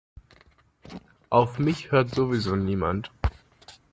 Auf mich hört sowieso niemand.